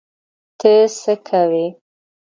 ته څه کوې؟